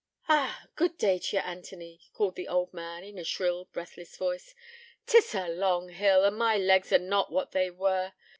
'Ah! good day t' ye, Anthony,' called the old man, in a shrill, breathless voice. ''Tis a long hill, an' my legs are not what they were.